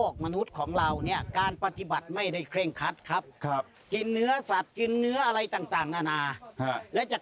คุณพระเดัมบอกว่านี่คือแยกกันแล้ว